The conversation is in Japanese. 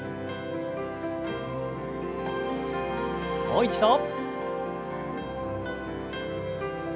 もう一度。